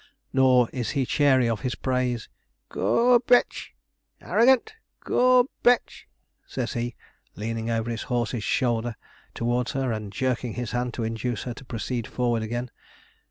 Nor is he chary of his praise. 'G oood betch! Arrogant! g oood betch!' says he, leaning over his horse's shoulder towards her, and jerking his hand to induce her to proceed forward again.